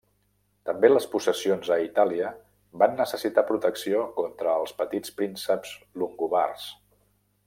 També les possessions a Itàlia van necessitar protecció contra els petits prínceps longobards.